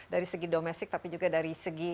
dari segi domestik tapi juga dari segi